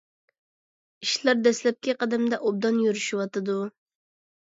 ئىشلار دەسلەپكى قەدەمدە ئوبدان يۈرۈشۈۋاتىدۇ.